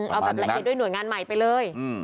เอาแบบละเอียดด้วยหน่วยงานใหม่ไปเลย